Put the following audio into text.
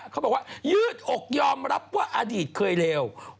เขาบอกว่ายืดอกยอมรับว่าอดีตเคยเลว